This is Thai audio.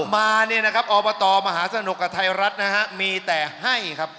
มาเนี่ยนะครับอบตมหาสนุกกับไทยรัฐนะฮะมีแต่ให้ครับ